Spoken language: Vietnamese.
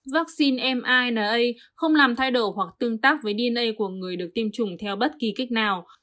vaccine mina không làm thay đổi hoặc tương tác với dna của người được tiêm chủng theo bất kỳ cách nào